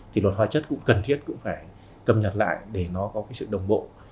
thì luật hóa chất cũng cần thiết cũng phải cập nhật lại để nó có cái sự đồng bộ